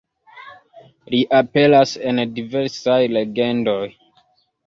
Li aperas en diversaj legendoj.